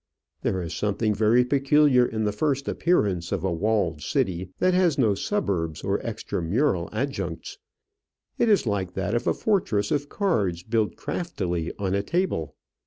There is something very peculiar in the first appearance of a walled city that has no suburbs or extramural adjuncts. It is like that of a fortress of cards built craftily on a table.